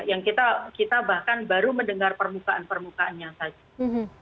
yang kita bahkan baru mendengar permukaan permukaannya saja